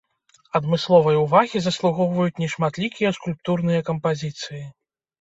Адмысловай увагі заслугоўваюць нешматлікія скульптурныя кампазіцыі.